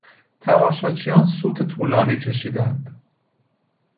تماشاچیان سوت طولانی کشیدند.